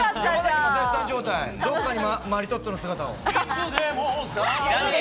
どこかにマリトッツォの姿を。